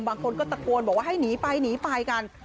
บางคนก็ตะโกนบอกว่าให้หนีไปหนีไปกัน